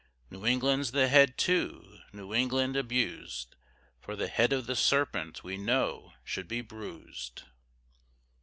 New England's the Head, too; New England's abus'd, For the Head of the Serpent we know should be bruis'd.